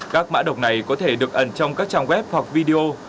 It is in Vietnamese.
các mã độc này có thể được ẩn trong các trang web hoặc video